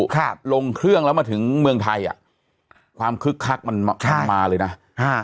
ค่ะลงเครื่องแล้วมาถึงเมืองไทยอ่ะความคึกคักมันใช่มาเลยน่ะครับ